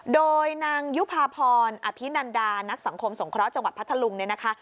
โดยนางยุภาพรอภินันดานักสังคมสงเคราะห์จังหวัดพัทธลุงเนี่ยนะคะ